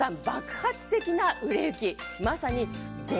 まさに。